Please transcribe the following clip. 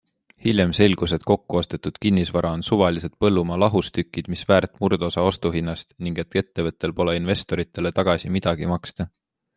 Hiljem selgus, et kokkuostetud kinnisvara on suvalised põllumaa lahustükid, mis väärt murdosa ostuhinnast ning et ettevõttel pole investoritele tagasi midagi maksta.